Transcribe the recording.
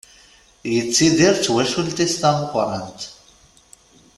Yettidir d twacult-is tameqqrant.